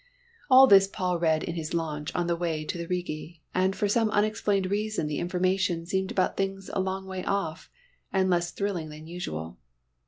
All this Paul read in his launch on the way to the Rigi, and for some unexplained reason the information seemed about things a long way off, and less thrilling than usual.